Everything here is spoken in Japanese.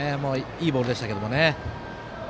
いいボールでしたけどね。